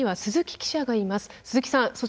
鈴木さん